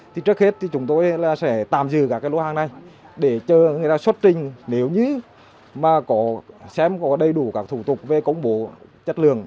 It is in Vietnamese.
thì trước hết thì chúng tôi sẽ tạm dừ cả các loại hàng này để cho người ta xuất trình nếu như mà xem có đầy đủ các thủ tục về công bố chất lượng